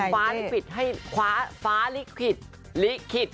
ฟ้าลิขิตให้คว้าฟ้าลิขิตลิขิต